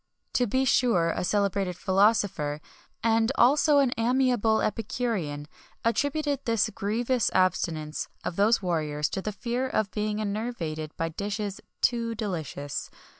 [XXI 6] To be sure a celebrated philosopher,[XXI 7] and also an amiable epicurean,[XXI 8] attributed this grievous abstinence of those warriors to the fear of being enervated by dishes too delicious.